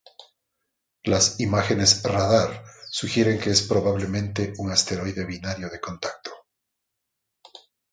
Las imágenes radar sugieren que es probablemente un asteroide binario de contacto.